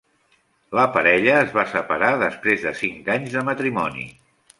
La parella es va separar després de cinc anys de matrimoni.